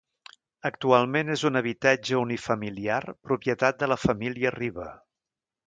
Actualment és un habitatge unifamiliar, propietat de la família Riba.